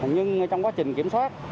nhưng trong quá trình kiểm soát